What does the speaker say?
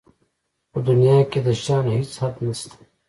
په دنیا کې د شیانو هېڅ حد نشته.